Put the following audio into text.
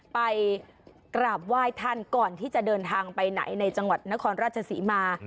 ไปกราบไหว้ท่านก่อนที่จะเดินทางไปไหนในจังหวัดนครราชศรีมา